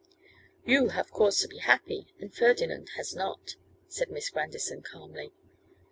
'You have cause to be happy, and Ferdinand has not,' said Miss Grandison, calmly.